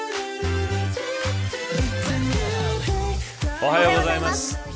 おはようございます。